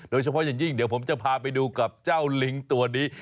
โดยเฉพาะอย่างยิ่งเดี๋ยวผมจะพาไปดูกับเจ้าลิงตัวนี้